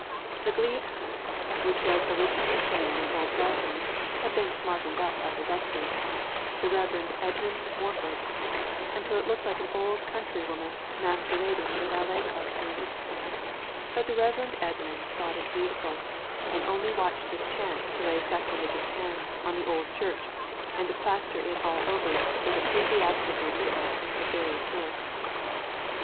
The Glebe house, which was originally plain and old fashioned, had been smartened up by the rector, the Rev. Edmund Morford, until it looked like an old country woman masquerading in a ballet costume; but the Rev. Edmund thought it beautiful, and only watched his chance to lay sacrilegious hands on the old church and to plaster it all over with ecclesiastical knickknacks of various sorts.